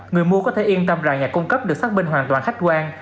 người mua có thể yên tâm rằng nhà cung cấp được xác minh hoàn toàn khách quan